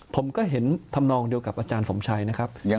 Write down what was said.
ผมก็เห็นทำนองเดียวกับอาจารย์สมชัยนะครับ